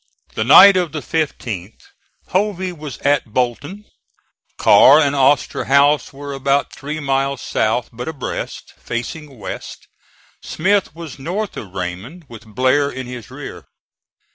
The night of the 15th Hovey was at Bolton; Carr and Osterhaus were about three miles south, but abreast, facing west; Smith was north of Raymond with Blair in his rear.